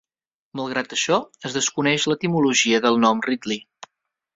Malgrat això, es desconeix l'etimologia del nom "ridley".